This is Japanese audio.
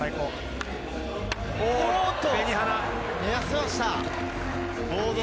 おぉっと！